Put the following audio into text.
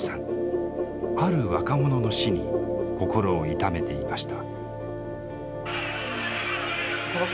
ある若者の死に心を痛めていました。